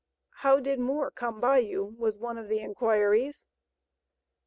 "How did Moore come by you?" was one of the inquiries.